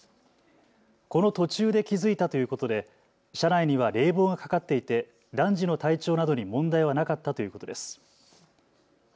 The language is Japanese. この途中で気付いたということで車内には冷房がかかっていて男児の体調などに問題はなかったということです。